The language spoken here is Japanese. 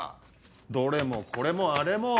どれもこれもあれも！